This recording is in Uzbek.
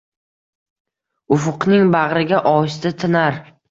Ufqning bag’riga ohista tinar.